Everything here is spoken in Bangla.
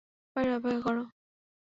বাইরে অপেক্ষা করো।